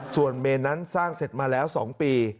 ส่วนเมนนั้นสร้างเสร็จมาแล้ว๒ปี